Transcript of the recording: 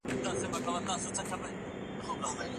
د زړه خواهشات نه منل کېږي.